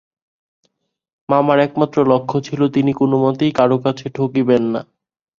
মামার একমাত্র লক্ষ্য ছিল, তিনি কোনোমতেই কারো কাছে ঠকিবেন না।